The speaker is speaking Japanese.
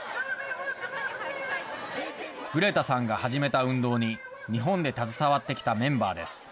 グレタさんが始めた運動に、日本で携わってきたメンバーです。